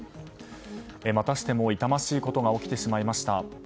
またしても痛ましいことが起きてしまいました。